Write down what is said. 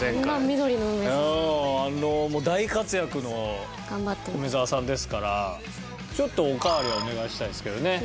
大活躍の梅澤さんですからちょっとおかわりはお願いしたいですけどね。